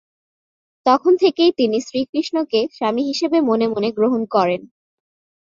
তখন থেকেই তিনি শ্রী কৃষ্ণকে স্বামী হিসেবে মনে মনে গ্রহণ করেন।